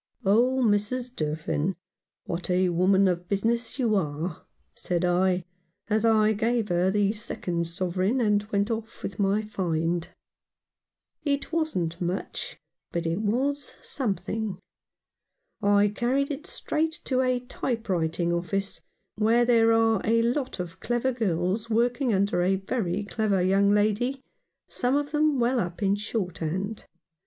" Oh,. Mrs. Durfin, what a woman of business you are !" said I, as I gave her the second sovereign, and went off with my find. It wasn't much, but it was something. I carried it straight to a type writing office, where there are a lot of clever girls working under a very clever young lady, some of them well up in shorthand.